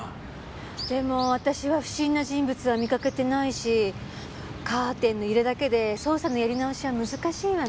でも私は不審な人物は見かけてないしカーテンの揺れだけで捜査のやり直しは難しいわね。